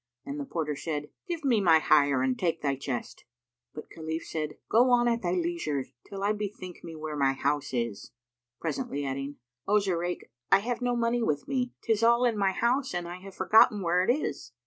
And the porter said, "Give me my hire and take thy chest." But Khalif said, "Go on at thy leisure, till I bethink me where my house is," presently adding, "O Zurayk, I have no money with me. 'Tis all in my house and I have forgotten where it is."